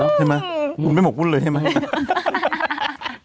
เห็นไหมมึงไม่หมกบุญเลยเห็นไหม